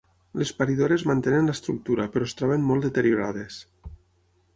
Les paridores mantenen l'estructura però es troben molt deteriorades.